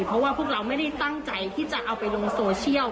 เพราะว่าพวกเราไม่ได้ตั้งใจที่จะเอาไปลงโซเชียล